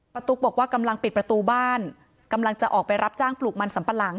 ตุ๊กบอกว่ากำลังปิดประตูบ้านกำลังจะออกไปรับจ้างปลูกมันสัมปะหลัง